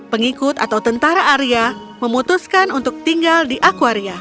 pengikut atau tentara arya memutuskan untuk tinggal di aquaria